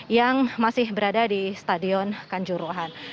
yang masih berada di stadion kanjuruhan